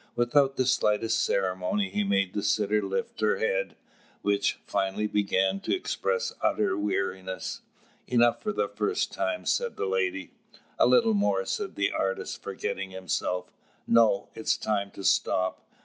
Without the slightest ceremony, he made the sitter lift her head, which finally began to express utter weariness. "Enough for the first time," said the lady. "A little more," said the artist, forgetting himself. "No, it is time to stop.